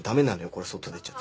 これ外出ちゃ。